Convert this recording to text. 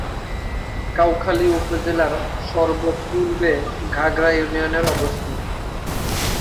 কাউখালী উপজেলার সর্ব-পূর্বে ঘাগড়া ইউনিয়নের অবস্থান।